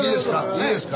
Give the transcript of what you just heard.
いいですか？